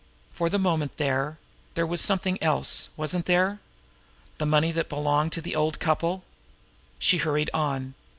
For the moment there there was something else wasn't there? The money that belonged to the old couple. She hurried on.